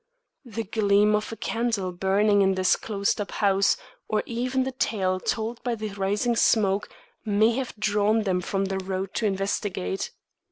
The gleam of a candle burning in this closed up house, or even the tale told by the rising smoke, may have drawn them from the road to investigate.